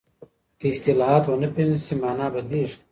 که اصطلاحات ونه پېژندل سي مانا بدليږي.